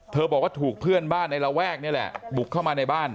บอกว่าถูกเพื่อนบ้านในระแวกนี่แหละบุกเข้ามาในบ้าน